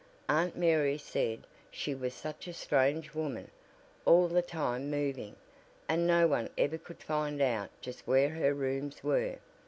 Aunt Mary said she was such a strange woman, all the time moving, and no one ever could find out just where her rooms were.